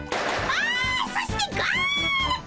そしてゴール！